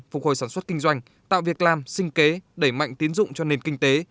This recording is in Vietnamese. phục hồi sản xuất kinh doanh tạo việc làm sinh kế đẩy mạnh tiến dụng cho nền kinh tế